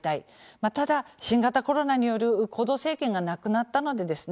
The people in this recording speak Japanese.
まあただ新型コロナによる行動制限がなくなったのでですね